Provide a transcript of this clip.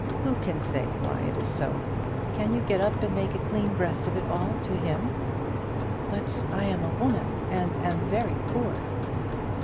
Who can say why it is so? Can you get up and make a clean breast of it all to him?" "But I am a woman, and am very poor."